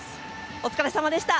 お疲れさまでした。